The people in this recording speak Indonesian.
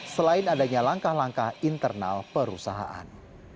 selain adanya langkah langkah internal perusahaan